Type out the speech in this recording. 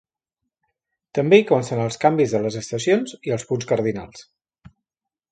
També hi consten els canvis de les estacions i els punts cardinals.